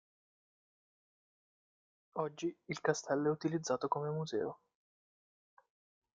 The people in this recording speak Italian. Oggi, il castello è utilizzato come museo.